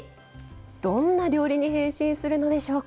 どんな料理に変身するのでしょうか。